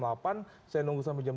saya nunggu sampai jam dua